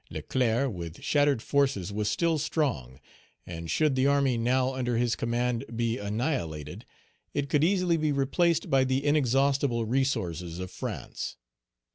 Leclerc, with shattered forces, was still strong, and should the army now under his command be annihilated, it could easily be replaced by the inexhaustible resources of France.